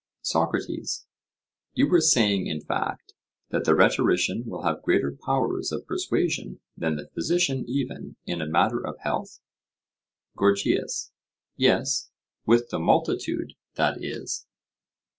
SOCRATES: You were saying, in fact, that the rhetorician will have greater powers of persuasion than the physician even in a matter of health? GORGIAS: Yes, with the multitude,—that is.